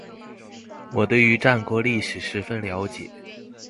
我对于战国历史十分了解